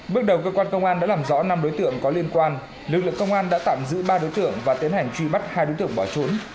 bước đầu cơ quan công an đã làm rõ năm đối tượng có liên quan lực lượng công an đã tạm giữ ba đối tượng và tiến hành truy bắt hai đối tượng bỏ trốn